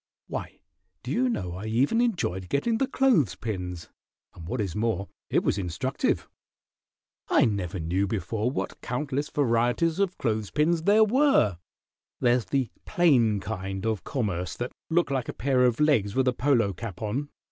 Why, do you know I even enjoyed getting the clothes pins, and what is more, it was instructive. I never knew before what countless varieties of clothes pins there were. There's the plain kind of commerce that look like a pair of legs with a polo cap on.